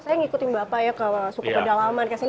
saya mengikuti bapak ya